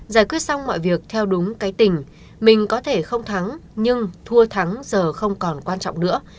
giải quyết xong mọi việc theo đúng cái tình mình có thể không thắng nhưng thua thắng giờ không còn quan trọng nữa